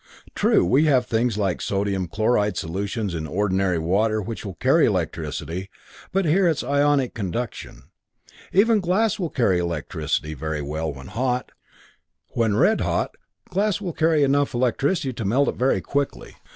True, we have things like NaCl solutions in ordinary H_O which will carry electricity, but here it's ionic conduction. Even glass will carry electricity very well when hot; when red hot, glass will carry enough electricity to melt it very quickly.